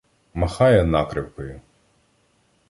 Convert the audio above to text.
Махає накривкою.